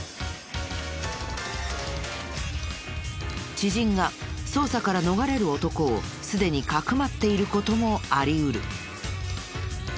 知人が捜査から逃れる男をすでにかくまっている事もあり得る。